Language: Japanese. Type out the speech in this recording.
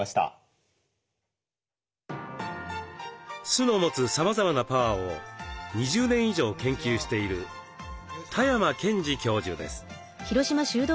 酢の持つさまざまなパワーを２０年以上研究している多山賢二教授です。